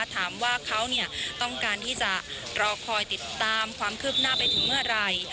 ถามว่าเขาต้องการที่จะรอคอยติดตามความคืบหน้าไปถึงเมื่อไหร่